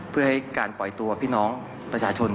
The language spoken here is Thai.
เพื่อให้การปล่อยตัวพี่น้องประชาชน